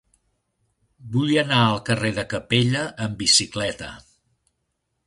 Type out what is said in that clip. Vull anar al carrer de Capella amb bicicleta.